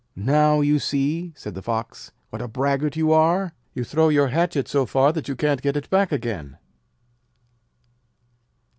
'Now, you see,' said the Fox, 'what a braggart you are. You throw your hatchet so far that you can't get it back again.'